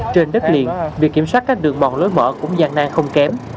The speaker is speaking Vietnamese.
trên đất liền việc kiểm soát các đường mòn lối mở cũng gian nan không kém